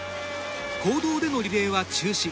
公道でのリレーは中止。